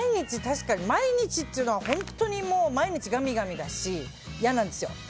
毎日っていうのは本当に毎日ガミガミだし嫌なんですよ。